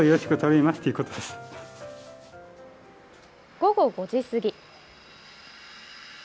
午後５時過ぎ。